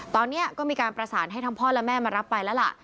ตอนนี้ก็มีการประสานให้ทั้งพ่อและแม่มารับไปแล้วล่ะ